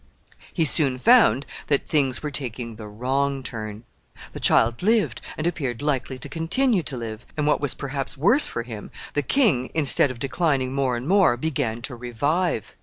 He soon found that things were taking the wrong turn. The child lived, and appeared likely to continue to live, and, what was perhaps worse for him, the king, instead of declining more and more, began to revive.